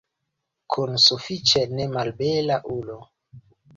Kun sufiĉe nemalbela ulo.